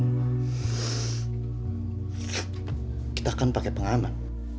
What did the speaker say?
kita akan pakai pengaman